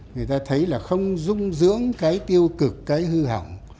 người ta thấy là không dung dưỡng cái tiêu cực cái hư hỏng